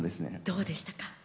どうでしたか？